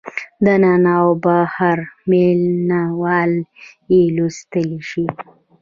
دننه او بهر مینه وال یې لوستلی شي.